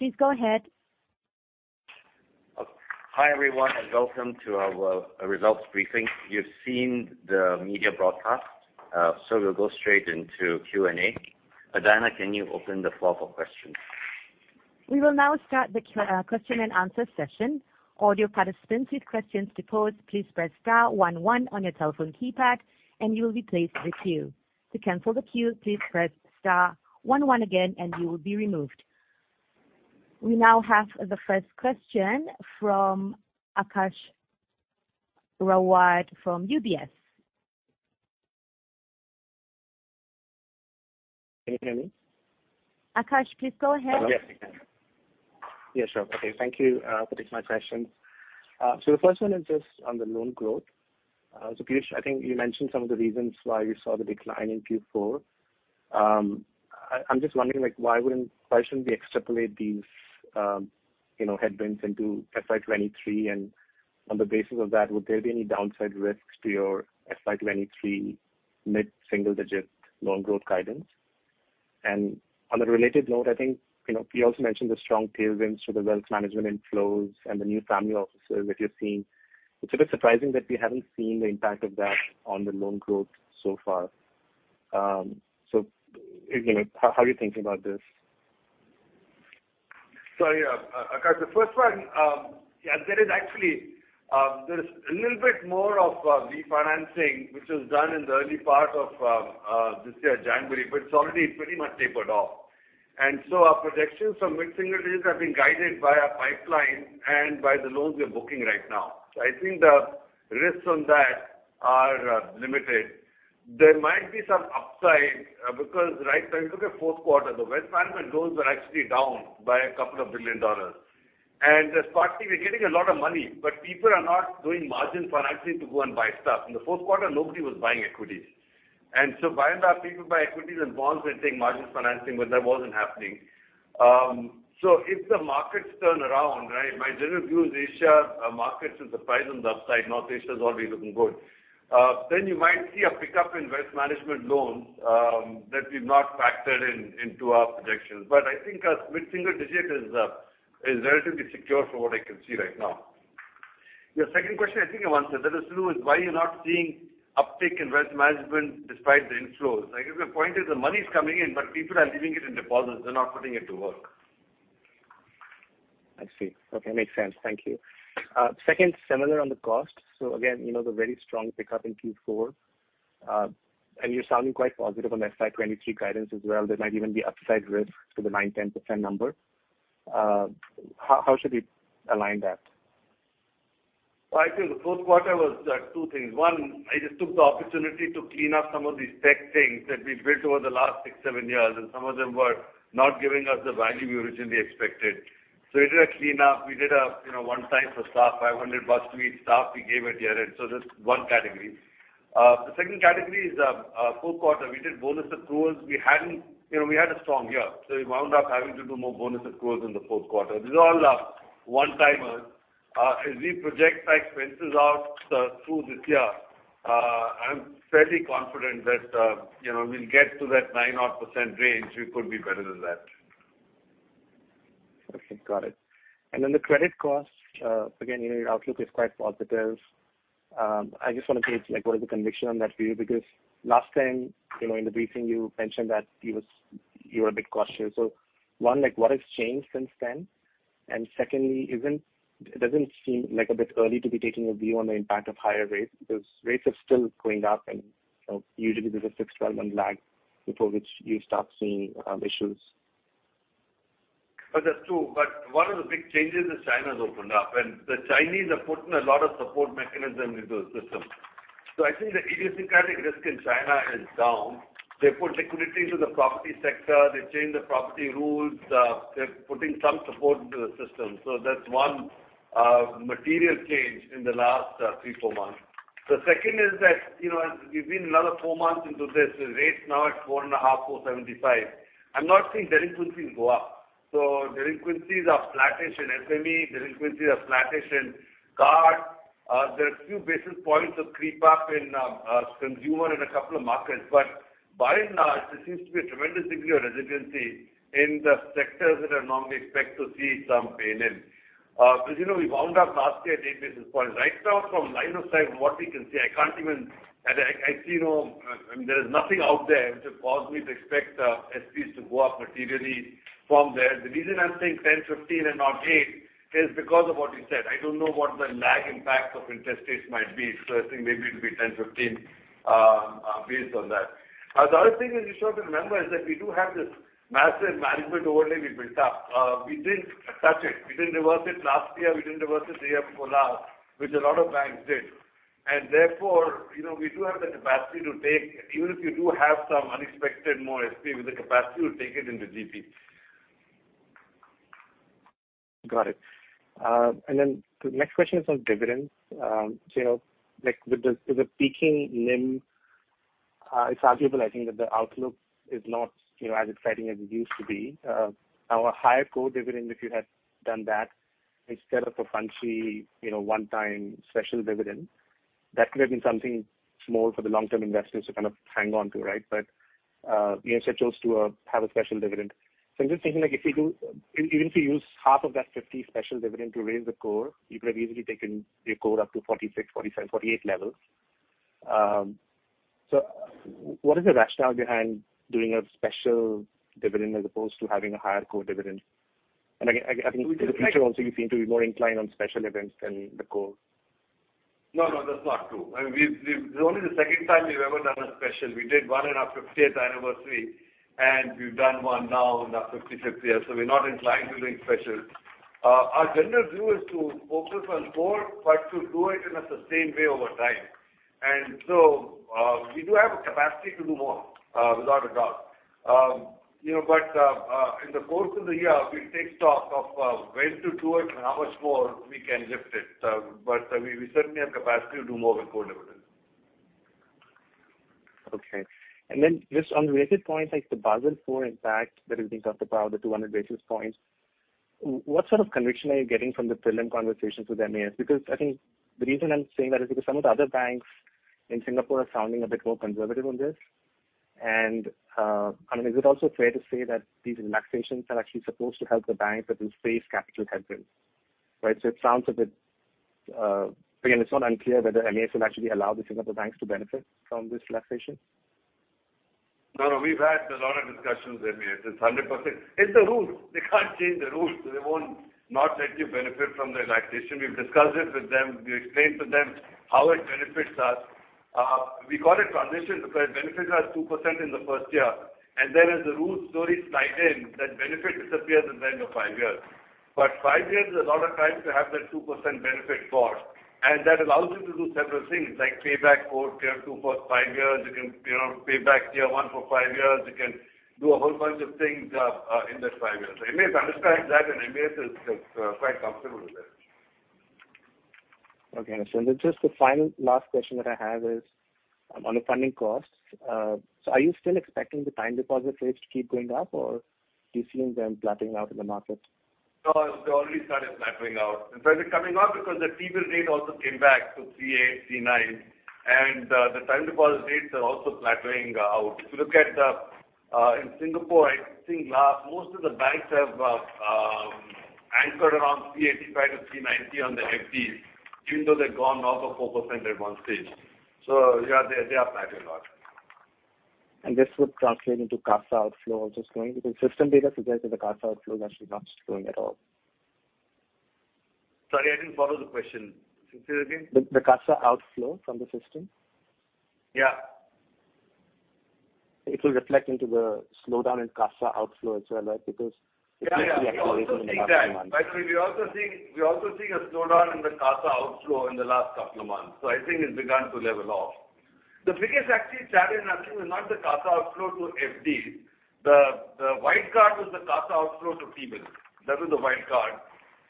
Please go ahead. Hi, everyone, welcome to our results briefing. You've seen the media broadcast, we'll go straight into Q&A. Diana, can you open the floor for questions? We will now start the question and answer session. All you participants with questions to pose, please press star one one on your telephone keypad and you will be placed in the queue. To cancel the queue, please press star one one again and you will be removed. We now have the first question from Aakash Rawat from UBS. Can you hear me? Akash, please go ahead. Yes. Yeah, sure. Okay, thank you for taking my questions. The first one is just on the loan growth. Piyush, I think you mentioned some of the reasons why you saw the decline in Q4. I'm just wondering, like, why shouldn't we extrapolate these, you know, headwinds into FY 2023? On the basis of that, would there be any downside risks to your FY 2023 mid-single digit loan growth guidance? On a related note, I think, you know, you also mentioned the strong tailwinds to the wealth management inflows and the new family offices that you're seeing. It's a bit surprising that we haven't seen the impact of that on the loan growth so far. You know, how are you thinking about this? Sorry, Aakash. The first one, yeah, there is actually, there is a little bit more of refinancing which was done in the early part of this year, January, but it's already pretty much tapered off. Our projections for mid-single digits have been guided by our pipeline and by the loans we are booking right now. I think the risks on that are limited. There might be some upside, because right now, if you look at fourth quarter, the wealth management loans were actually down by a couple of $ billion. There's partly we're getting a lot of money, but people are not doing margin financing to go and buy stuff. In the fourth quarter, nobody was buying equities. By and large, people buy equities and bonds, they take margin financing, but that wasn't happening. If the markets turn around, right, my general view is Asia markets is the price on the upside, North Asia is already looking good. Then you might see a pickup in wealth management loans, that we've not factored in, into our projections. I think a mid-single digit is relatively secure from what I can see right now. Your second question, I think I've answered. That is still why you're not seeing uptick in wealth management despite the inflows. My point is the money's coming in, but people are leaving it in deposits. They're not putting it to work. I see. Okay. Makes sense. Thank you. Second, similar on the cost. Again, you know, the very strong pickup in Q4. You're sounding quite positive on FY 2023 guidance as well. There might even be upside risk to the 9%-10% number. How should we align that? I think the fourth quarter was two things. One, I just took the opportunity to clean up some of these tech things that we've built over the last six, seven years, and some of them were not giving us the value we originally expected. We did a clean up. We did a, you know, one time for staff, 500 bucks to each staff, we gave it year-end. That's one category. The second category is fourth quarter, we did bonus accruals. We hadn't, you know, we had a strong year, so we wound up having to do more bonus accruals in the fourth quarter. These are all one-timers. As we project like fences out through this year, I'm fairly confident that, you know, we'll get to that 9 odd percentage range. We could be better than that. Okay. Got it. The credit cost, again, you know, your outlook is quite positive. I just wanna gauge, like, what is the conviction on that for you? Because last time, you know, in the briefing, you mentioned that you were a bit cautious. One, like, what has changed since then? Secondly, doesn't it seem, like, a bit early to be taking a view on the impact of higher rates? Because rates are still going up, and, you know, usually there's a 6-12 month lag before which you start seeing issues. That's true, but one of the big changes is China's opened up, and the Chinese have put in a lot of support mechanism into the system. I think the idiosyncratic risk in China is down. They put liquidity into the property sector. They changed the property rules. They're putting some support into the system. That's one material change in the last three, four months. The second is that, you know, as we've been another four months into this, the rate's now at 4.5%, 4.75%. I'm not seeing delinquencies go up. Delinquencies are flattish in SME. Delinquencies are flattish in CARD. There are a few basis points that creep up in consumer in a couple of markets. By and large, there seems to be a tremendous degree of resiliency in the sectors that are normally expect to see some pain in. Because, you know, we wound up last year at 8 basis points. Right now from line of sight and what we can see, I see no, I mean, there is nothing out there which would cause me to expect SPs to go up materially from there. The reason I'm saying 10, 15 and not 8 is because of what you said. I don't know what the lag impact of interest rates might be. I think maybe it'll be 10, 15, based on that. The other thing that you should have to remember is that we do have this massive management overlay we built up. We didn't touch it. We didn't reverse it last year. We didn't reverse it year before last, which a lot of banks did. Therefore, you know, we do have the capacity to take... even if you do have some unexpected more SP with the capacity to take it into GP. Got it. The next question is on dividends. You know, like with the, with the peaking NIM, it's arguable, I think that the outlook is not, you know, as exciting as it used to be. Our higher core dividend, if you had done that instead of a fancy, you know, one time special dividend. That could have been something small for the long-term investors to kind of hang on to, right? You instead chose to have a special dividend. I'm just thinking, like, if you do even if you use half of that 0.50 special dividend to raise the core, you could have easily taken your core up to 46, 47, 48 levels. What is the rationale behind doing a special dividend as opposed to having a higher core dividend? Again, I think in the future also you seem to be more inclined on special events than the core. No, no, that's not true. I mean, we've This is only the second time we've ever done a special. We did one in our 50th anniversary, and we've done one now in our 55th year, so we're not inclined to doing specials. Our general view is to focus on core, but to do it in a sustained way over time. We do have the capacity to do more without a doubt. You know, but in the course of the year, we'll take stock of when to do it and how much more we can lift it. I mean, we certainly have capacity to do more with core dividends. Okay. Just on related points, like the Basel IV impact that we've been talking about, the 200 basis points, what sort of conviction are you getting from the prelim conversations with MAS? I think the reason I'm saying that is because some of the other banks in Singapore are sounding a bit more conservative on this. I mean, is it also fair to say that these relaxations are actually supposed to help the banks, but we'll face capital headwinds, right? It sounds a bit. Again, it's not unclear whether MAS will actually allow the Singapore banks to benefit from this relaxation. No, no, we've had a lot of discussions with MAS. It's 100%. It's the rules. They can't change the rules. They won't not let you benefit from the relaxation. We've discussed it with them. We explained to them how it benefits us. We call it transition, because it benefits us 2% in the first year, and then as the rules slowly slide in, that benefit disappears in the end of 5 years. Five years is a lot of time to have that 2% benefit for, and that allows you to do several things like pay back core Tier 2 for 5 years. You can, you know, pay back Tier 1 for 5 years. You can do a whole bunch of things in that 5 years. MAS understands that, and MAS is quite comfortable with it. Okay. Just the final last question that I have is on the funding costs. Are you still expecting the time deposit rates to keep going up or do you see them flattening out in the market? They already started flattening out. In fact, they're coming out because the T-bill rate also came back to 3.8, 3.9, and the time deposit rates are also flattening out. If you look at in Singapore, I think most of the banks have anchored around 3.85 to 3.90 on the FD, even though they'd gone north of 4% at one stage. Yeah, they are flatting a lot. This would translate into CASA outflow also slowing? Because system data suggests that the CASA outflow is actually not slowing at all. Sorry, I didn't follow the question. Say it again. The CASA outflow from the system. Yeah. It will reflect into the slowdown in CASA outflow as well, right? Yeah, yeah. We also see that. By the way, we're also seeing a slowdown in the CASA outflow in the last couple of months. I think it's begun to level off. The biggest actually challenge I think was not the CASA outflow to FD. The wild card was the CASA outflow to T-bills. That was the wild card.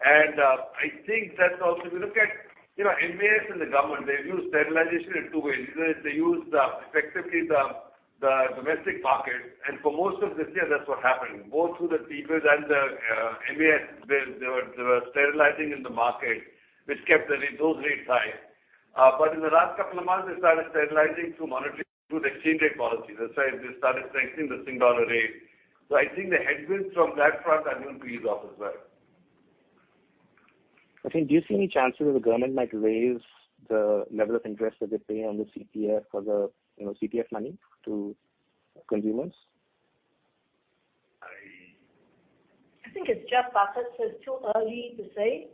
I think that also, if you look at, you know, MAS and the government, they've used sterilization in 2 ways. They use effectively the domestic market. For most of this year, that's what happened. Both through the T-bills and MAS, they were sterilizing in the market, which kept those rates high. In the last couple of months, they started sterilizing through the exchange rate policy. That's why they started strengthening the Sing Dollar rate. I think the headwinds from that front are going to ease off as well. Okay. Do you see any chances that the government might raise the level of interest that they pay on the CPF for the, you know, CPF money to consumers? I- I think it's uncertain, so it's too early to say.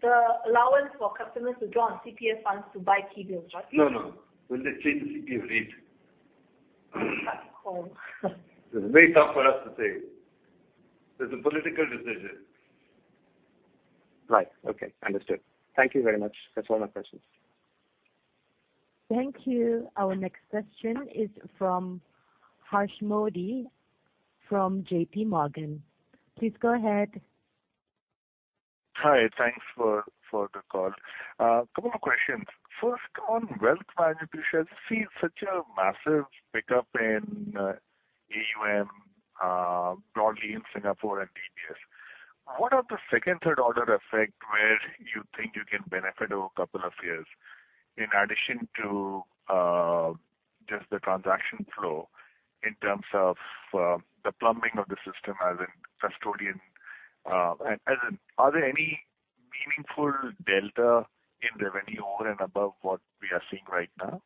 The allowance for customers to draw on CPF funds to buy T-bills, right? No, no. Will they change the CPF rate? That's cold. It's very tough for us to say. That's a political decision. Right. Okay. Understood. Thank you very much. That's all my questions. Thank you. Our next question is from Harsh Modi from JPMorgan. Please go ahead. Hi. Thanks for the call. Couple of questions. First, on wealth management, we see such a massive pickup in AUM, broadly in Singapore and DBS. What are the second, third order effect where you think you can benefit over a couple of years in addition to just the transaction flow in terms of the plumbing of the system as in custodian, as in are there any meaningful delta in revenue over and above what we are seeing right now?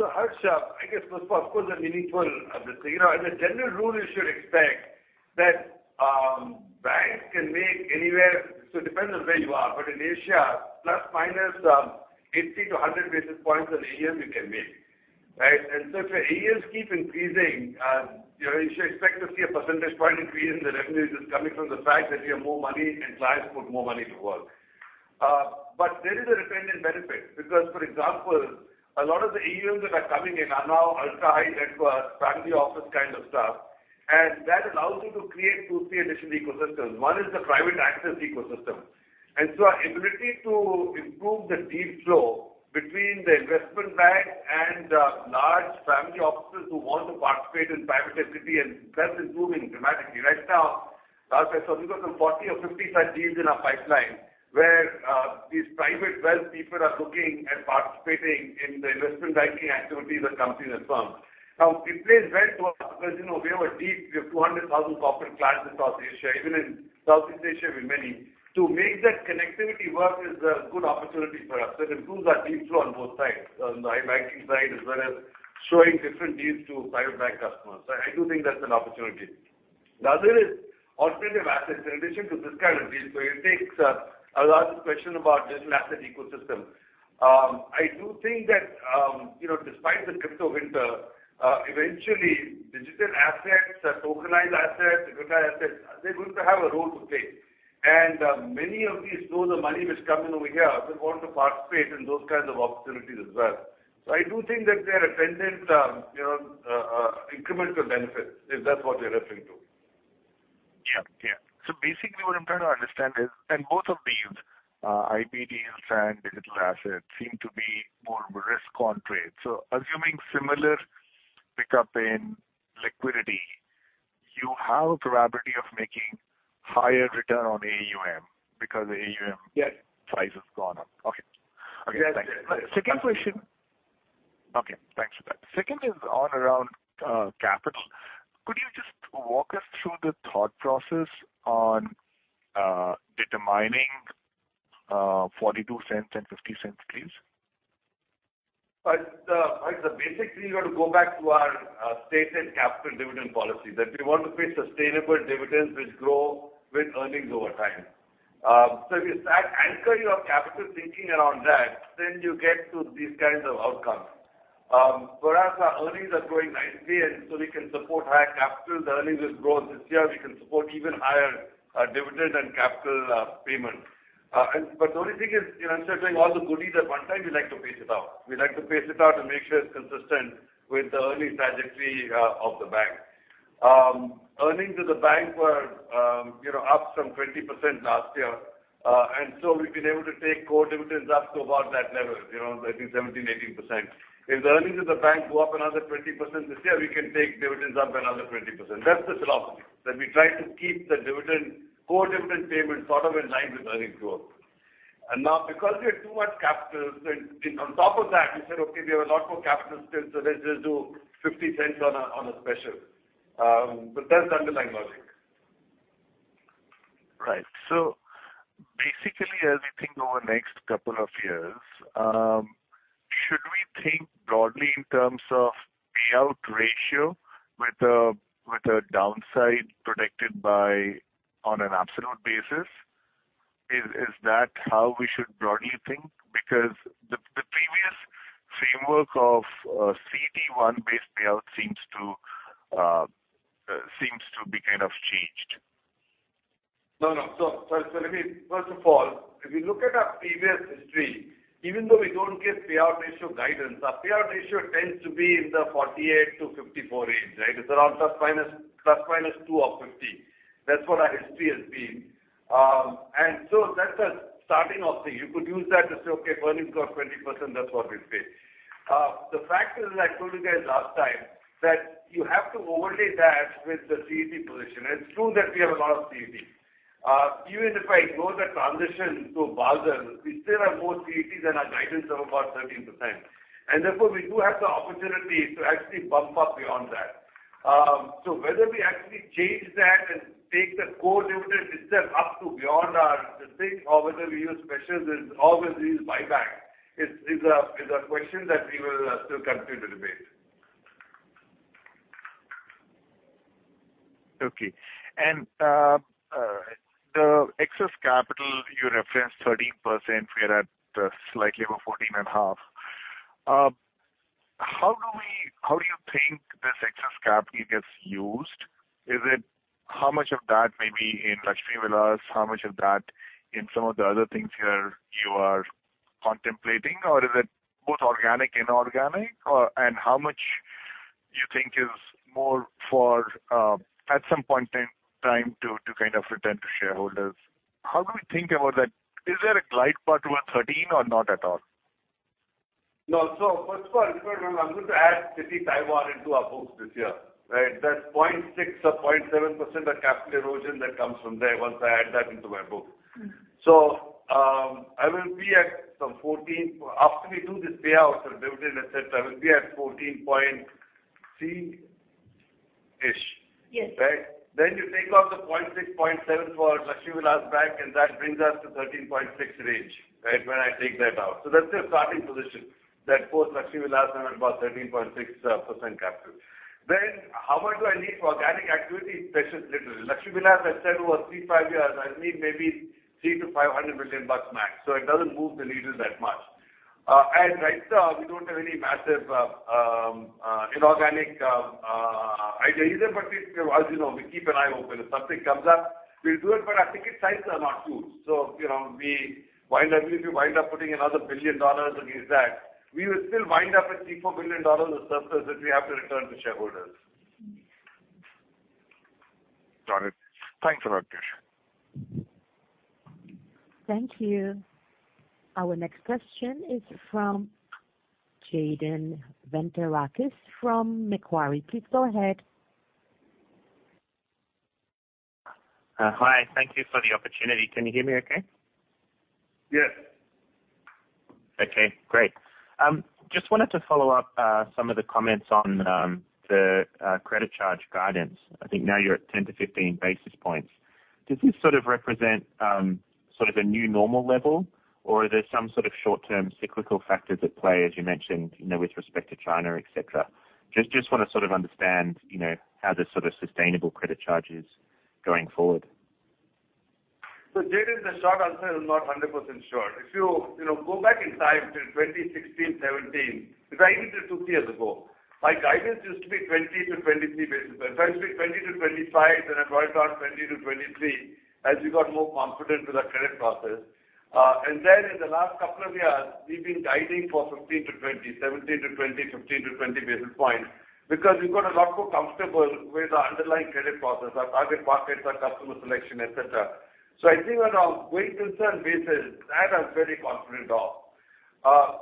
Harsh, I guess those were of course are meaningful, but, you know, as a general rule, you should expect that banks can make anywhere. It depends on where you are, but in Asia, plus minus, 80-100 basis points on AUM you can make, right? If your AUMs keep increasing, you know, you should expect to see a percentage point increase in the revenues coming from the fact that we have more money and clients put more money to work. There is a dependent benefit, because, for example, a lot of the AUMs that are coming in are now ultra high net worth family office kind of stuff, and that allows you to create 2, 3 additional ecosystems. One is the private access ecosystem. Our ability to improve the deal flow between the investment bank and large family offices who want to participate in private equity and. That's improving dramatically. Last time. We've got some 40 or 50 such deals in our pipeline, where these private wealth people are looking at participating in the investment banking activities of companies and firms. It plays well to us because, you know, we have 200,000 corporate clients in South Asia, even in Southeast Asia, we're many. To make that connectivity work is a good opportunity for us. It improves our deal flow on both sides, on the iBanking side as well as showing different deals to private bank customers. I do think that's an opportunity. The other is alternative assets in addition to this kind of deal. It takes Aakash's question about digital asset ecosystem. I do think that, you know, despite the crypto winter, eventually digital assets or tokenized assets, digitized assets, they're going to have a role to play. Many of these stores of money which come in over here will want to participate in those kinds of opportunities as well. I do think that there are attendant, you know, incremental benefits, if that's what you're referring to. Yeah. Yeah. Basically what I'm trying to understand is, and both of these, IP deals and digital assets seem to be more risk on trade. Assuming similar pickup in liquidity, you have a probability of making higher return on AUM because the AUM. Yes. Size has gone up. Okay. Okay. Thank you. Yes. Second question. Okay, thanks for that. Second is on around capital. Could you just walk us through the thought process on determining SGD 0.42 and SGD 0.50, please? It's a basic thing. You got to go back to our stated capital dividend policy, that we want to pay sustainable dividends which grow with earnings over time. If you start anchoring your capital thinking around that, then you get to these kinds of outcomes. Whereas our earnings are growing nicely and so we can support higher capital. The earnings will grow this year. We can support even higher dividend and capital payment. The only thing is, you know, instead of doing all the goodies at one time, we like to pace it out. We like to pace it out and make sure it's consistent with the earnings trajectory of the bank. Earnings of the bank were, you know, up some 20% last year. We've been able to take core dividends up to about that level, you know, I think 17%, 18%. If the earnings of the bank go up another 20% this year, we can take dividends up another 20%. That's the philosophy, that we try to keep the dividend, core dividend payment sort of in line with earnings growth. Because we have too much capital, so on top of that, we said, "Okay, we have a lot more capital still, so let's just do 0.50 on a, on a special." That's the underlying logic. Basically, as we think over the next couple of years, should we think broadly in terms of payout ratio with a downside protected by on an absolute basis? Is that how we should broadly think? The previous framework of CET1 base payout seems to be kind of changed. No, no. Let me First of all, if you look at our previous history, even though we don't give payout ratio guidance, our payout ratio tends to be in the 48-54 range, right? It's around ±2 of 50. That's what our history has been. That's a starting off thing. You could use that to say, "Okay, earnings grow 20%, that's what we pay." The fact is, as I told you guys last time, that you have to overlay that with the CET position. It's true that we have a lot of CET. Even if I ignore the transition to Basel, we still have more CET than our guidance of about 13%. Therefore, we do have the opportunity to actually bump up beyond that. Whether we actually change that and take the core dividend itself up to beyond our specific or whether we use specials or whether we use buyback is a question that we will still continue to debate. Okay. The excess capital, you referenced 13%. We're at slightly over 14.5%. How do you think this excess capital gets used? Is it how much of that may be in Lakshmi Vilas? How much of that in some of the other things here you are contemplating? Or is it both organic, inorganic? Or, and how much you think is more for, at some point in time to kind of return to shareholders? How do we think about that? Is there a glide path towards 13% or not at all? No. First of all, I'm going to add Citi Taiwan into our books this year, right? That's 0.6% or 0.7% of capital erosion that comes from there once I add that into my book. Mm-hmm. After we do this payout of dividend et cetera, I will be at 14.3-ish. Yes. Right? You take off the 0.6, 0.7 for Lakshmi Vilas Bank, and that brings us to 13.6% range, right? When I take that out. That's your starting position. That post Lakshmi Vilas number about 13.6% capital. How much do I need for organic activity? Especially Lakshmi Vilas. Lakshmi Vilas, as I said, over 3, 5 years, I need maybe 300 million-500 million bucks max, so it doesn't move the needle that much. Right now we don't have any massive inorganic ideas either. As you know, we keep an eye open. If something comes up, we'll do it, but I think its sizes are not huge. You know, we wind up, even if you wind up putting another 1 billion dollars against that, we will still wind up with 3 billion-4 billion dollars of surplus that we have to return to shareholders. Got it. Thanks a lot. Thank you. Our next question is from Jayden Vantarakis from Macquarie. Please go ahead. Hi. Thank you for the opportunity. Can you hear me okay? Yes. Okay, great. Just wanted to follow up, some of the comments on the credit charge guidance. I think now you're at 10-15 basis points. Does this sort of represent, sort of a new normal level, or are there some sort of short-term cyclical factors at play, as you mentioned, you know, with respect to China, et cetera? Just wanna sort of understand, you know, how the sort of sustainable credit charge is going forward. Jayden, the short answer, I'm not 100% sure. If you know, go back in time to 2016, 2017, right into 2 years ago, my guidance used to be 20-23 basis points. It used to be 20-25, then it went down 20-23 as we got more confident with our credit process. And then in the last couple of years, we've been guiding for 15-20, 17-20, 15-20 basis points because we've got a lot more comfortable with our underlying credit process, our target markets, our customer selection, et cetera. I think on a going concern basis, that I'm very confident of.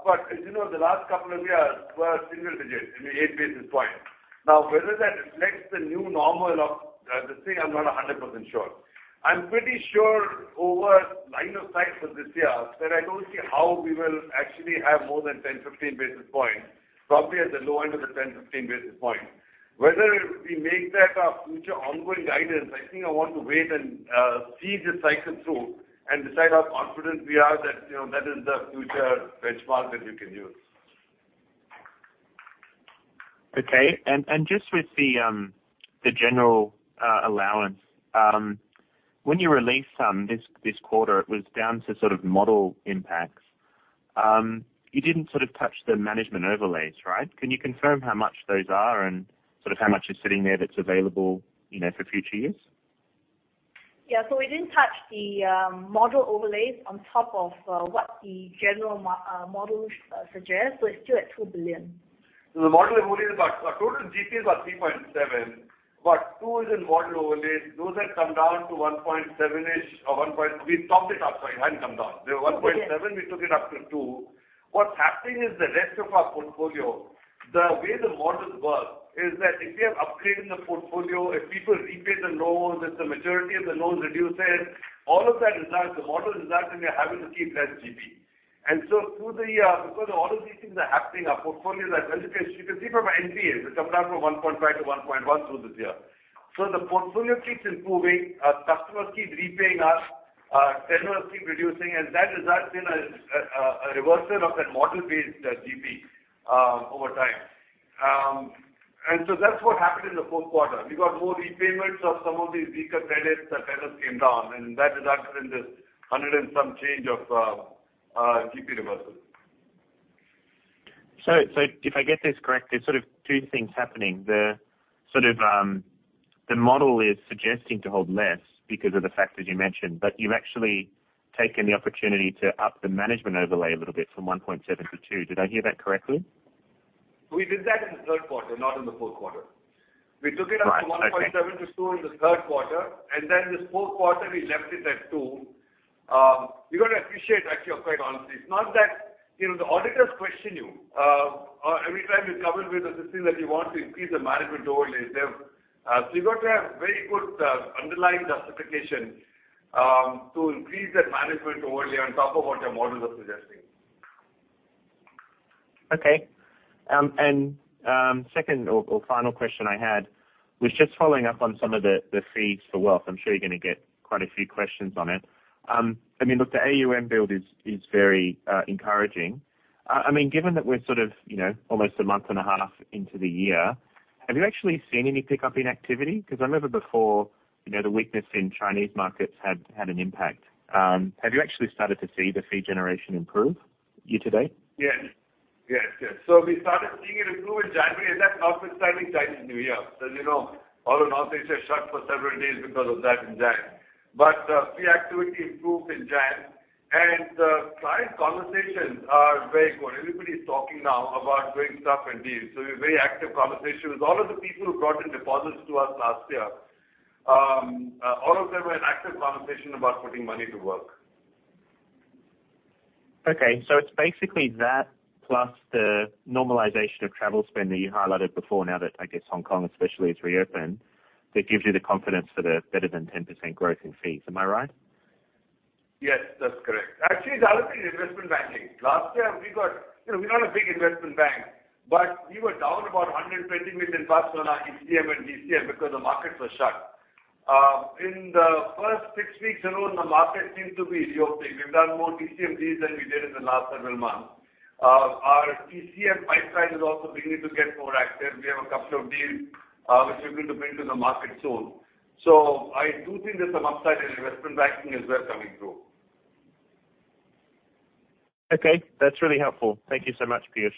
But as you know, the last couple of years were single digits, you know, 8 basis points. Whether that reflects the new normal of, this thing, I'm not 100% sure. I'm pretty sure over line of sight for this year that I don't see how we will actually have more than 10-15 basis points, probably at the low end of the 10-15 basis points. Whether we make that our future ongoing guidance, I think I want to wait and see this cycle through and decide how confident we are that, you know, that is the future benchmark that we can use. Okay. Just with the general allowance, when you released some this quarter, it was down to sort of model impacts. You didn't sort of touch the management overlays, right? Can you confirm how much those are and sort of how much is sitting there that's available, you know, for future use? Yeah. We didn't touch the model overlays on top of what the general model suggests. It's still at 2 billion. The model overlay is about. Our total GPs are 3.7, but 2 is in model overlays. Those have come down to 1.7-ish. We've topped it up, so it hadn't come down. They were 1.7. Yes. We took it up to 2%. What's happening is the rest of our portfolio, the way the models work is that if we are upgrading the portfolio, if people repay the loans, if the maturity of the loans reduces, all of that the model is that and we're having to keep less GP. Through the year, because a lot of these things are happening, our portfolios are well-placed. You can see from our NPAs, it's come down from 1.5%-1.1% through this year. The portfolio keeps improving. Our customers keep repaying us. Our tenures keep reducing. That has actually been a reversal of that model-based GP over time. That's what happened in the fourth quarter. We got more repayments of some of these weaker credits. The tenures came down, and that has acted in this 100 and some change of GP reversals. If I get this correct, there's sort of two things happening. The sort of, the model is suggesting to hold less because of the factors you mentioned, but you've actually taken the opportunity to up the management overlay a little bit from 1.7-2. Did I hear that correctly? We did that in the third quarter, not in the fourth quarter. Right. Okay. We took it up from 1.7-2 in the third quarter. This fourth quarter we left it at 2. You got to appreciate, actually, quite honestly, it's not that, you know, the auditors question you, every time you come up with a system that you want to increase the management overlay there. You got to have very good, underlying justification, to increase that management overlay on top of what your models are suggesting. Okay. Second or final question I had was just following up on some of the fees for wealth. I'm sure you're gonna get quite a few questions on it. Look, the AUM build is very encouraging. Given that we're sort of, you know, almost a month and a half into the year, have you actually seen any pickup in activity? 'Cause I remember before, you know, the weakness in Chinese markets had an impact. Have you actually started to see the fee generation improve year to date? Yes. Yes, yes. We started seeing it improve in January, and that's after starting Chinese New Year. You know, all of North Asia shut for several days because of that in January. Fee activity improved in January, and client conversations are very good. Everybody's talking now about doing stuff and deals, a very active conversation with all of the people who brought in deposits to us last year. All of them were in active conversation about putting money to work. It's basically that plus the normalization of travel spend that you highlighted before, now that, I guess, Hong Kong especially has reopened, that gives you the confidence for the better than 10% growth in fees. Am I right? Yes, that's correct. Actually, the other thing, investment banking. Last year we got You know, we're not a big investment bank, but we were down about 120 million on our ECM and DCM because the markets were shut. In the first six weeks alone, the market seemed to be reopening. We've done more DCM deals than we did in the last several months. Our ECM pipeline is also beginning to get more active. We have a couple of deals, which we're going to bring to the market soon. I do think there's some upside in investment banking as well coming through. Okay. That's really helpful. Thank you so much, Piyush.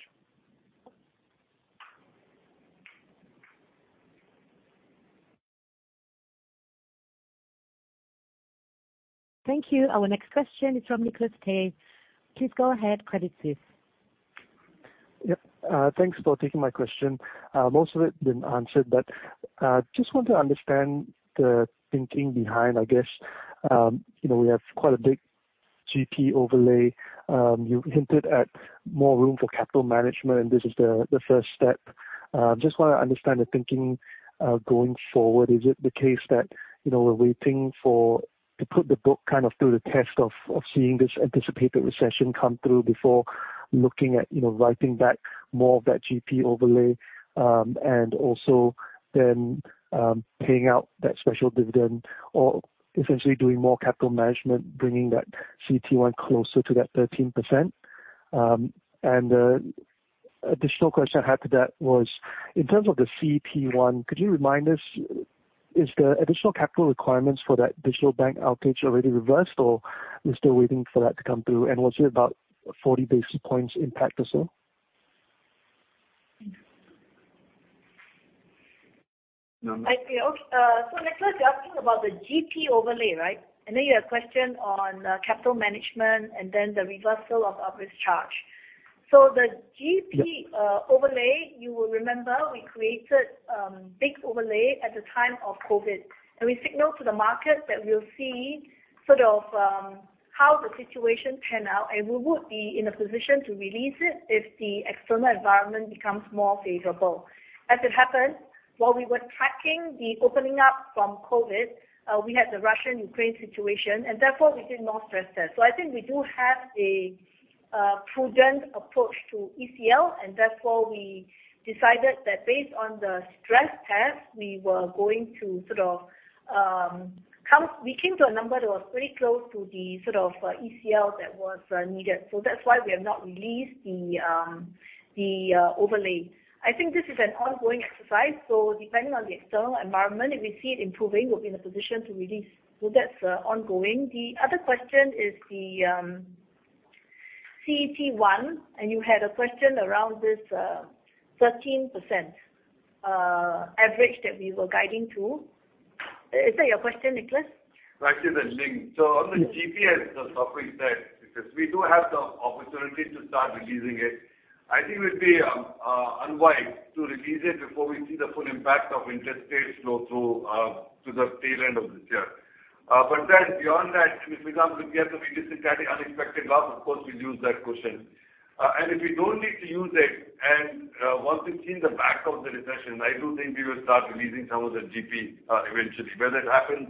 Thank you. Our next question is from Nicholas Page. Please go ahead, Credit Suisse. Yep. Thanks for taking my question. Most of it been answered. Just want to understand the thinking behind, I guess, you know, we have quite a big GP overlay. You've hinted at more room for capital management. This is the first step. Just want to understand the thinking going forward. Is it the case that, you know, we're waiting to put the book kind of through the test of seeing this anticipated recession come through before looking at, you know, writing back more of that GP overlay, also then paying out that special dividend or essentially doing more capital management, bringing that CET1 closer to that 13%? Additional question I had to that was, in terms of the CET1, could you remind us, is the additional capital requirements for that digital bank outage already reversed, or we're still waiting for that to come through? Was it about 40 basis points impact or so? I see. Okay, Nicholas, you're asking about the GP overlay, right? You have a question on capital management and then the reversal of our risk charge. The GP. Yeah. overlay, you will remember we created big overlay at the time of COVID. We signaled to the market that we'll see sort of how the situation pan out, and we would be in a position to release it if the external environment becomes more favorable. As it happened, while we were tracking the opening up from COVID, we had the Russia and Ukraine situation, and therefore we did more stress test. I think we do have a prudent approach to ECL, and therefore we decided that based on the stress test, we were going to sort of. We came to a number that was pretty close to the sort of ECL that was needed. That's why we have not released the overlay. I think this is an ongoing exercise, so depending on the external environment, if we see it improving, we'll be in a position to release. That's ongoing. The other question is the CET1, and you had a question around this 13% average that we were guiding to. Is that your question, Nicholas? Right to the link. On the GP, as Sok Hui said, because we do have the opportunity to start releasing it. I think it would be unwise to release it before we see the full impact of interest rates flow through to the tail end of this year. Beyond that, if it comes, if we have to release it due to unexpected loss, of course, we'll use that cushion. If we don't need to use it and once we've seen the back of the recession, I do think we will start releasing some of the GP eventually. Whether it happens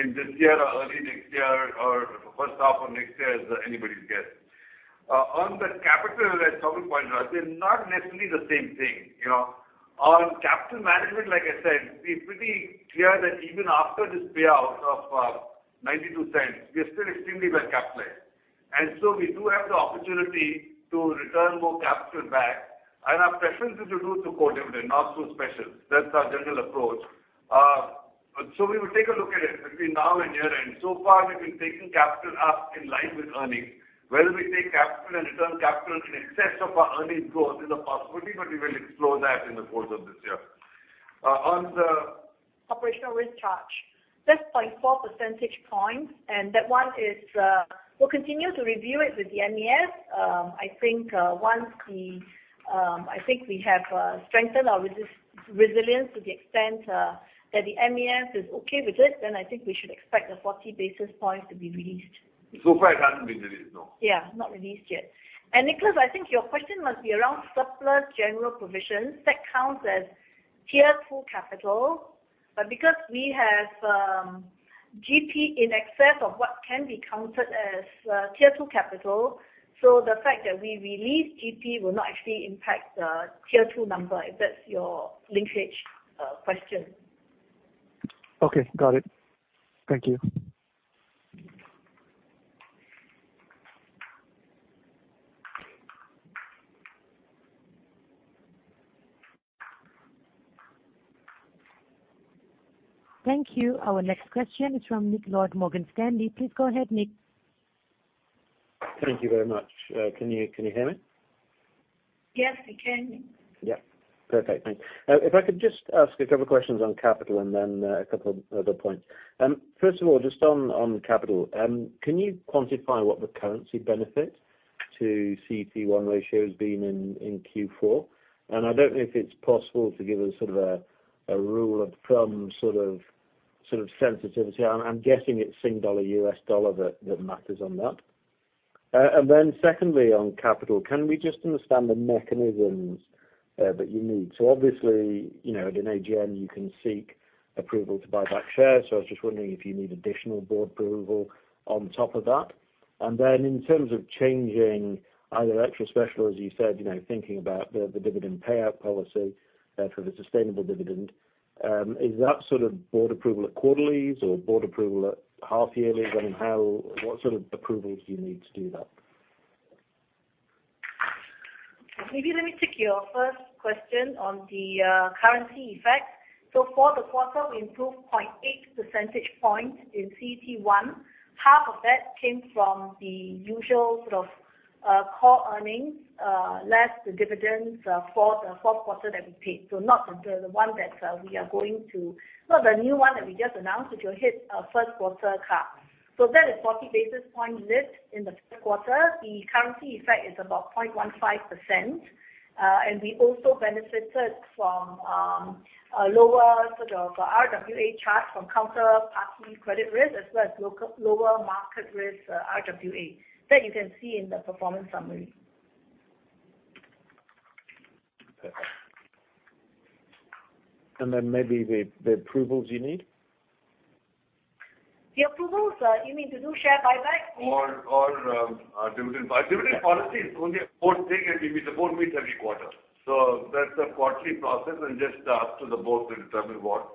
in this year or early next year or first half of next year is anybody's guess. On the capital, as Sok Hui pointed out, they're not necessarily the same thing, you know. On capital management, like I said, we're pretty clear that even after this payout of 0.92, we are still extremely well capitalized. We do have the opportunity to return more capital back, and our preference is to do so through dividend, not through special. That's our general approach. We will take a look at it between now and year-end. So far, we've been taking capital up in line with earnings. Whether we take capital and return capital in excess of our earnings growth is a possibility, but we will explore that in the course of this year. Operational risk charge. That's 0.4 percentage points, that one is, we'll continue to review it with the MAS. I think once we, I think we have strengthened our resilience to the extent that the MAS is okay with it, I think we should expect the 40 basis points to be released. Far it hasn't been released, no. Yeah, not released yet. Nicholas, I think your question must be around surplus general provisions. That counts as Tier 2 capital. Because we have GP in excess of what can be counted as Tier 2 capital, the fact that we release GP will not actually impact the Tier 2 number, if that's your linkage question. Okay. Got it. Thank you. Thank you. Our next question is from Nick Lord, Morgan Stanley. Please go ahead, Nick. Thank you very much. Can you hear me? Yes, we can. Yeah. Perfect. Thanks. If I could just ask 2 questions on capital and then 2 other points. First of all, just on capital, can you quantify what the currency benefit to CET1 ratio has been in Q4? I don't know if it's possible to give a sort of a rule of thumb sensitivity. I'm guessing it's Sing Dollar, US dollar that matters on that. Secondly, on capital, can we just understand the mechanisms that you need? Obviously, you know, at an AGM, you can seek approval to buy back shares, so I was just wondering if you need additional board approval on top of that. In terms of changing either extra special, as you said, you know, thinking about the dividend payout policy, for the sustainable dividend, is that sort of board approval at quarterlies or board approval at half yearlies? I mean, what sort of approvals do you need to do that? Maybe let me take your first question on the currency effect. For the quarter, we improved 0.8% points in CET1. Half of that came from the usual sort of core earnings, less the dividends for the fourth quarter that we paid. Not the one that we are going to... No, the new one that we just announced, which will hit first quarter cap. That is 40 basis point lift in the first quarter. The currency effect is about 0.15%. And we also benefited from a lower sort of RWA charge from counterparty credit risk as well as lower market risk RWA. That you can see in the performance summary. Perfect. Then maybe the approvals you need. The approvals? You mean to do share buyback? Dividend buy. Dividend policy is only a board thing, and the board meets every quarter. So that's a quarterly process and just up to the board to determine what.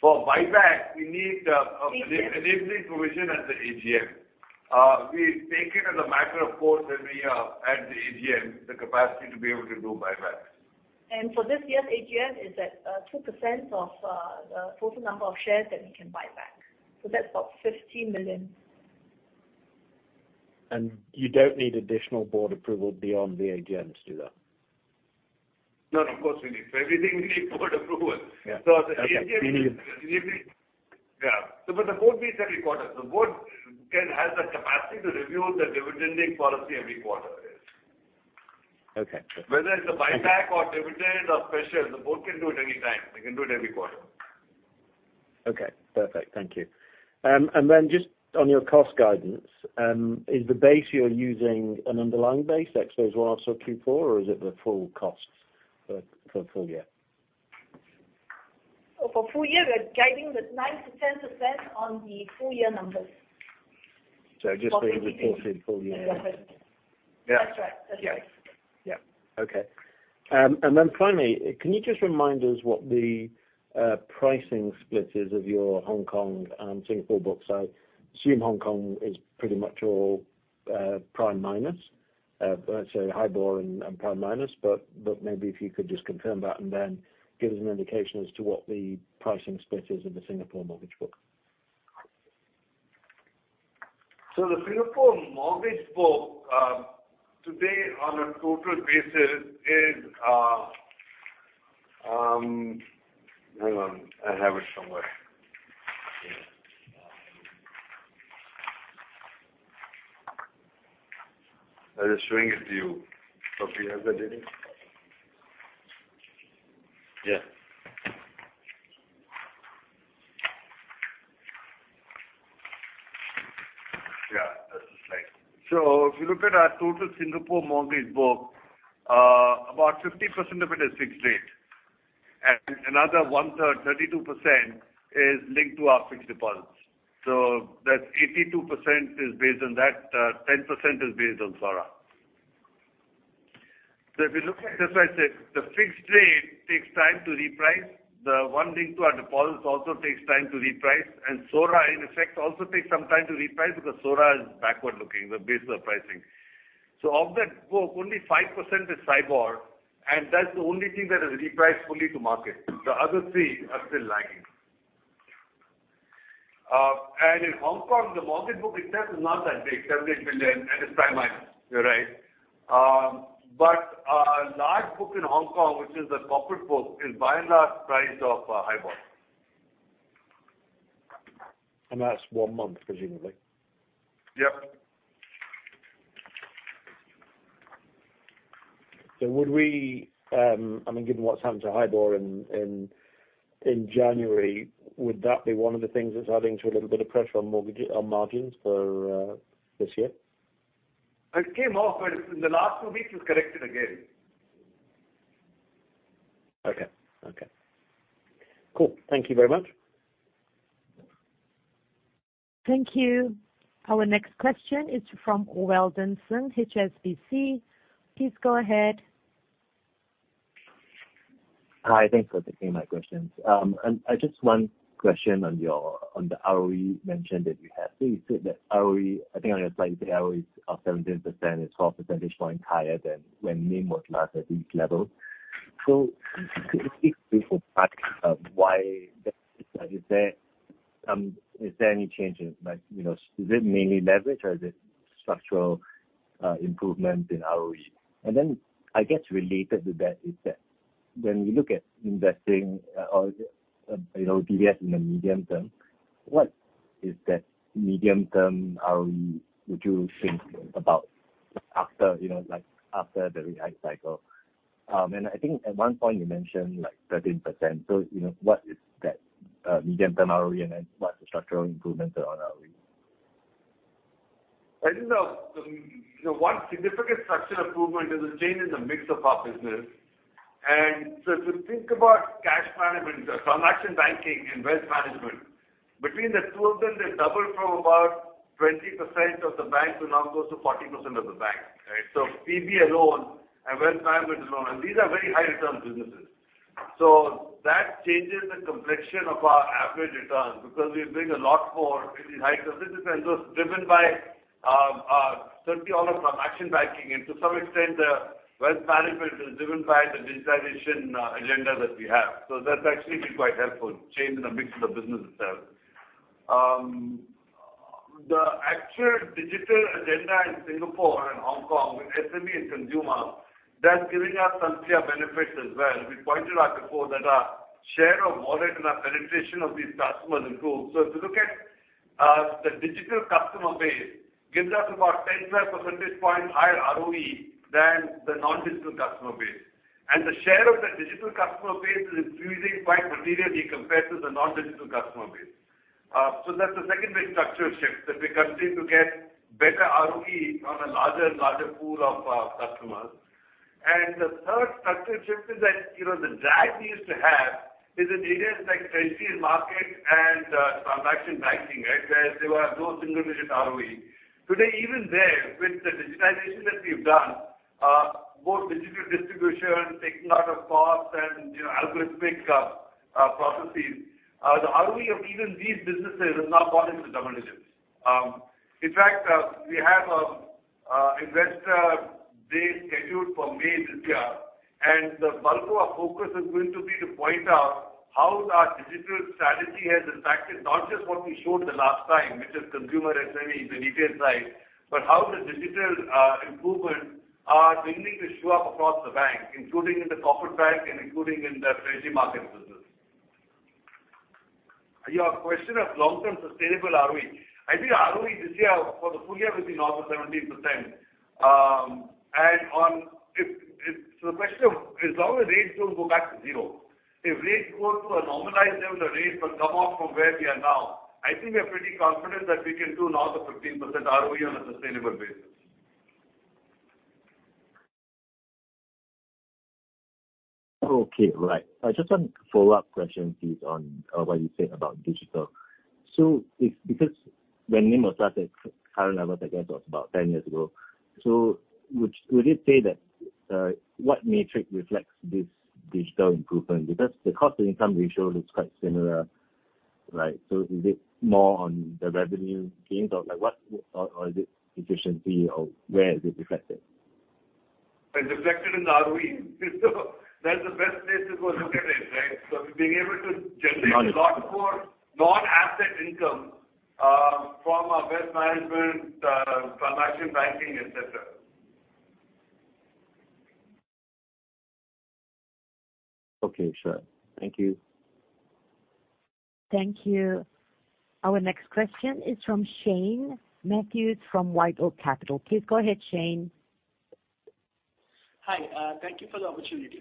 For buyback, we need. Yes. Enabling provision at the AGM. We take it as a matter of course, when we are at the AGM, the capacity to be able to do buybacks. For this year's AGM is at 2% of the total number of shares that we can buy back. That's about 50 million. You don't need additional board approval beyond the AGM to do that? No, of course, we need. For everything we need board approval. Yeah. Okay. The AGM is enabling... Yeah. The board meets every quarter. The board can have the capacity to review the dividend policy every quarter. Okay. Good. Whether it's a buyback or dividend or special, the board can do it anytime. They can do it every quarter. Okay. Perfect. Thank you. Just on your cost guidance, is the base you're using an underlying base, X plus one, so Q4, or is it the full cost for full year? For full year, we are guiding with 9%-10% on the full year numbers. Just the reported full year numbers. For full year. Yeah. That's right. That's right. Yeah. Yeah. Okay. Finally, can you just remind us what the pricing split is of your Hong Kong and Singapore book? Assume Hong Kong is pretty much all prime minus, sorry, HIBOR and prime minus, but maybe if you could just confirm that and then give us an indication as to what the pricing split is of the Singapore mortgage book. The Singapore mortgage book, today on a total basis is... Hang on. I have it somewhere. Yeah. I was showing it to you. Sok, you have that, do you? Yeah. Yeah, that's the slide. If you look at our total Singapore mortgage book, about 50% of it is fixed rate, and another one third, 32% is linked to our fixed deposits. That's 82% is based on that, 10% is based on SORA. If you look at this, right, the fixed rate takes time to reprice. The one linked to our deposits also takes time to reprice. SORA in effect also takes some time to reprice because SORA is backward looking, the base of pricing. Of that book, only 5% is SIBOR, and that's the only thing that is repriced fully to market. The other three are still lagging. In Hong Kong, the mortgage book itself is not that big, 17 billion and it's prime minus. You're right. Our large book in Hong Kong, which is the corporate book, is by and large priced off, HIBOR. That's one month, presumably. Yep. Would we, I mean, given what's happened to HIBOR in January, would that be one of the things that's adding to a little bit of pressure on margins for this year? It came off, but in the last two weeks it's corrected again. Okay. Okay. Cool. Thank you very much. Thank you. Our next question is from Weldon Sng, HSBC. Please go ahead. Hi. Thanks for taking my questions. I just one question on the ROE you mentioned that you have. You said that ROE, I think on your slide, you say ROE is up 17% is 12 percentage point higher than when NIM was last at these levels. Can you speak briefly about why that is? Is there any change in like, you know, is it mainly leverage or is it structural improvement in ROE? I guess related to that is that when you look at investing or, you know, DBS in the medium term, what is that medium-term ROE would you think about after, you know, like, after the rate hike cycle? I think at one point you mentioned like 13%. You know, what is that, medium-term ROE and then what's the structural improvements on ROE? I think the one significant structural improvement is the change in the mix of our business. To think about cash management, transaction banking and wealth management, between the two of them, they've doubled from about 20% of the bank to now close to 40% of the bank, right? PB alone and wealth management alone, and these are very high return businesses. That changes the complexion of our average returns because we're doing a lot more with the high businesses, it's driven by, certainly all of transaction banking and to some extent, wealth management is driven by the digitization agenda that we have. That's actually been quite helpful, change in the mix of the business itself. The actual digital agenda in Singapore and Hong Kong with SME and consumer, that's giving us some clear benefits as well. We pointed out before that our share of wallet and our penetration of these customers improved. If you look at the digital customer base gives us about 10, 12% point higher ROE than the non-digital customer base. The share of the digital customer base is increasing quite materially compared to the non-digital customer base. That's the second big structural shift, that we continue to get better ROE on a larger and larger pool of customers. The third structural shift is that, you know, the drag we used to have is in areas like treasury market and transaction banking, right? Where there were no single-digit ROE. Today, even there, with the digitization that we've done, both digital distribution, taking out of costs and, you know, algorithmic processes, the ROE of even these businesses has now gone into the double digits. In fact, we have a investor day scheduled for May this year. The bulk of our focus is going to be to point out how our digital strategy has impacted not just what we showed the last time, which is consumer SME in the retail side, but how the digital improvements are beginning to show up across the bank, including in the corporate bank and including in the treasury markets business. Your question of long-term sustainable ROE. I think ROE this year for the full year will be north of 17%. On if so the question of as long as rates don't go back to zero. If rates go to a normalized level, the rates will come off from where we are now. I think we are pretty confident that we can do north of 15% ROE on a sustainable basis. Right. I just want a follow-up question, please, on what you said about digital. If, because when NIM was asked at current levels, I guess was about 10 years ago, would you say that what metric reflects this digital improvement? The cost to income ratio looks quite similar, right? Is it more on the revenue gains or like what or is it efficiency or where is it reflected? It's reflected in the ROE. That's the best place to go look at it, right? being able to generate- Got it. A lot more non-asset income, from our wealth management, transaction banking, et cetera. Okay. Sure. Thank you. Thank you. Our next question is from Shane Matthews from White Oak Capital. Please go ahead, Shane. Hi. Thank you for the opportunity.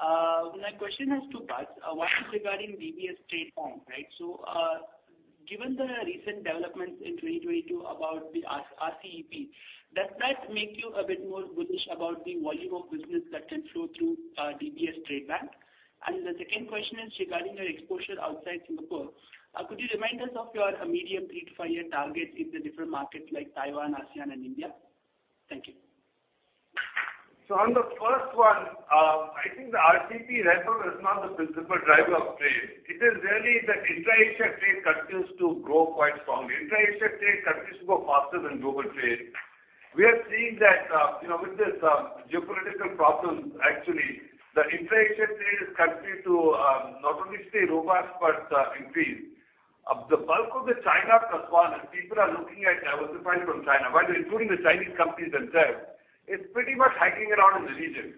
My question has two parts. One is regarding DBS trade form, right? Given the recent developments in 2022 about the RCEP, does that make you a bit more bullish about the volume of business that can flow through, DBS Trade Bank? The second question is regarding your exposure outside Singapore. Could you remind us of your medium 3-5 year targets in the different markets like Taiwan, ASEAN and India? Thank you. On the first one, I think the RCEP right now is not the principal driver of trade. It is really that intra-Asia trade continues to grow quite strongly. Intra-Asia trade continues to grow faster than global trade. We are seeing that, you know, with this geopolitical problems, actually, the intra-Asia trade is continuing to not only stay robust but increase. The bulk of the China supply that people are looking at diversifying from China, by the way, including the Chinese companies themselves, it's pretty much hanging around in the region.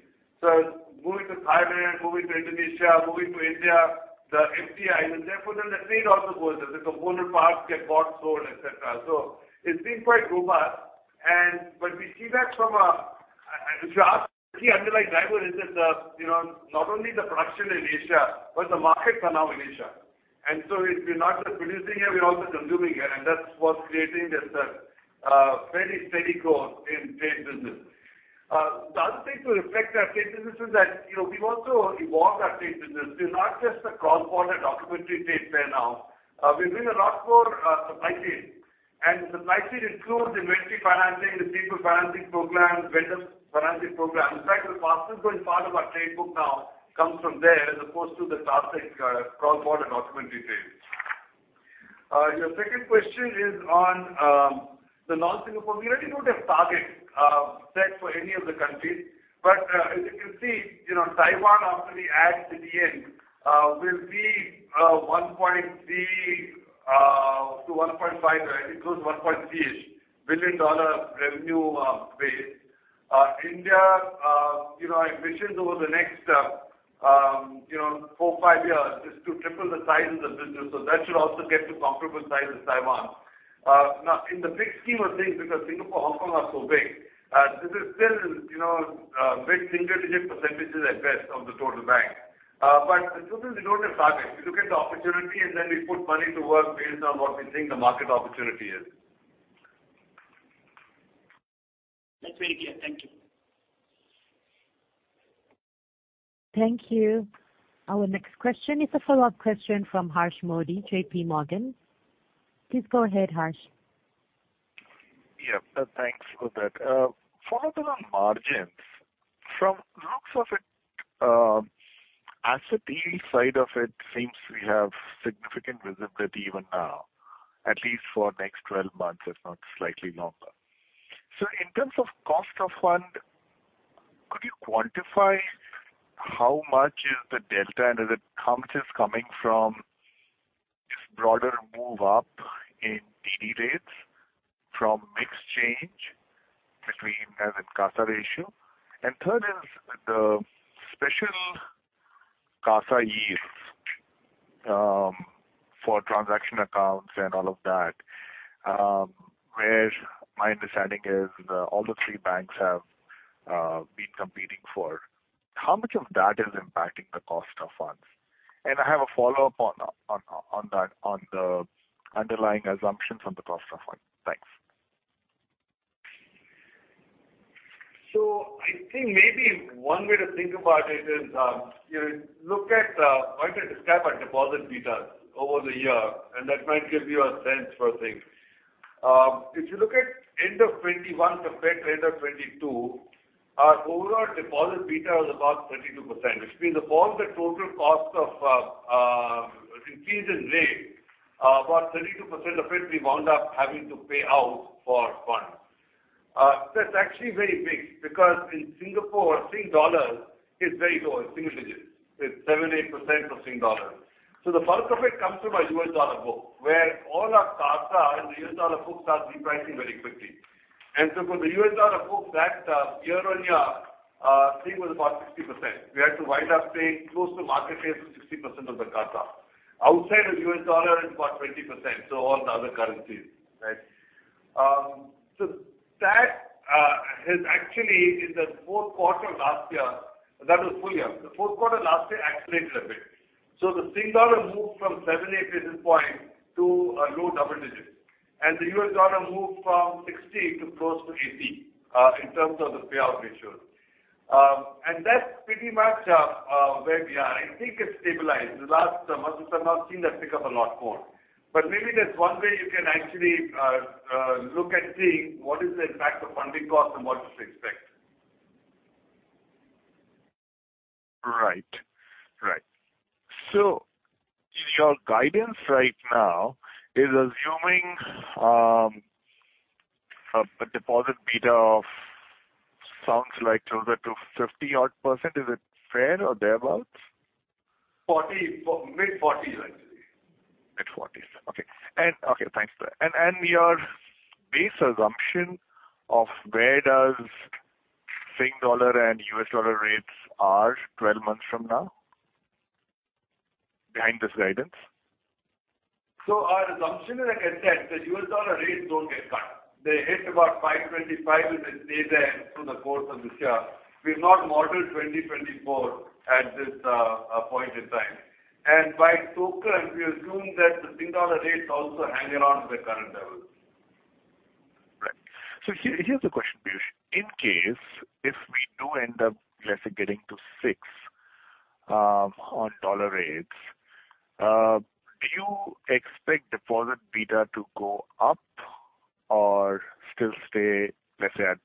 Moving to Thailand, moving to Indonesia, moving to India, the FTAs, and therefore then the trade also goes there. The component parts get bought, sold, et cetera. We see that from a... If you ask me, underlying driver is that, you know, not only the production in Asia, but the markets are now in Asia. We're not just producing here, we are also consuming here, and that's what's creating this very steady growth in trade business. The other thing to reflect our trade business is that, you know, we've also evolved our trade business. We're not just a cross-border documentary trade player now. We're doing a lot more supply chain. Supply chain includes inventory financing, the people financing programs, vendor financing programs. In fact, the fastest growing part of our trade book now comes from there as opposed to the classic cross-border documentary trade. Your second question is on the non-Singapore. We really don't have targets set for any of the countries. As you can see, you know, Taiwan after the add to the end, will be 1.3-1.5, right? It goes 1.3-ish billion dollar revenue base. India, you know, our vision over the next, you know, 4, 5 years is to triple the size of the business, that should also get to comparable size as Taiwan. Now, in the big scheme of things, because Singapore, Hong Kong are so big, this is still, you know, mid-single digit % at best of the total bank. The truth is we don't have targets. We look at the opportunity, we put money to work based on what we think the market opportunity is. That's very clear. Thank you. Thank you. Our next question is a follow-up question from Harsh Modi, JP Morgan. Please go ahead, Harsh. Yeah. Thanks for that. Follow-up on margins. From looks of it, asset yield side of it seems we have significant visibility even now, at least for next 12 months, if not slightly longer. In terms of cost of fundQuantify how much is the delta and is it coming from this broader move up in DD rates from mix change between as in CASA ratio. Third is the special CASA yields, for transaction accounts and all of that, where my understanding is the all the 3 banks have been competing for. How much of that is impacting the cost of funds? I have a follow-up on that, on the underlying assumptions on the cost of funds. Thanks. I think maybe one way to think about it is, you know, look at, why don't you describe our deposit betas over the year, and that might give you a sense for things. If you look at end of 2021 to mid end of 2022, our overall deposit beta was about 32%, which means of all the total cost of increase in rate, about 32% of it we wound up having to pay out for funds. That's actually very big because in Singapore, Sing Dollar is very low in single digits. It's 7%-8% of Sing Dollar. The bulk of it comes from our US dollar book, where all our CASA in the US dollar book starts repricing very quickly. For the US dollar book that, year-on-year, Sing was about 60%. We had to wind up paying close to market rates of 60% of the CASA. Outside of US dollar is about 20%, all the other currencies, right? That is actually in the fourth quarter last year. That was full year. The fourth quarter last year accelerated a bit. The Sing Dollar moved from 7-8 basis points to a low double digits. The US dollar moved from 60 to close to 80 in terms of the payout ratios. That's pretty much where we are. I think it's stabilized. The last month, we've somehow seen that pick up a lot more. Maybe that's one way you can actually look and see what is the impact of funding costs and what to expect. Right. Right. Your guidance right now is assuming a deposit beta of sounds like closer to 50 odd percentage. Is it fair or thereabout? 40, mid-forties, actually. Mid-40s. Okay. Okay, thanks for that. Your base assumption of where does Sing Dollar and US dollar rates are 12 months from now behind this guidance? Our assumption is, I can say, the US dollar rates don't get cut. They hit about 5.25 and then stay there through the course of this year. We've not modeled 2024 at this point in time. By token, we assume that the Sing Dollar rates also hang around the current levels. Right. Here's the question, Piyush. In case if we do end up, let's say, getting to 6, on dollar rates, do you expect deposit beta to go up or still stay, let's say, at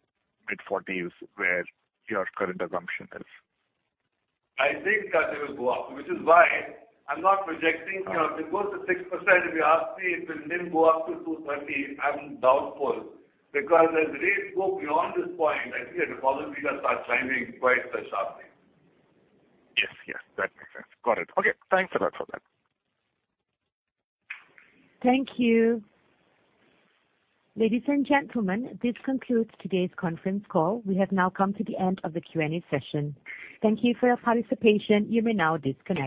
mid-forties where your current assumption is? I think that it will go up, which is why I'm not projecting, you know, if it goes to 6%, if you ask me if the NIM go up to 2.30%, I'm doubtful because as rates go beyond this point, I think the deposit beta start climbing quite sharply. Yes. Yes. That makes sense. Got it. Okay. Thanks a lot for that. Thank you. Ladies and gentlemen, this concludes today's conference call. We have now come to the end of the Q&A session. Thank you for your participation. You may now disconnect.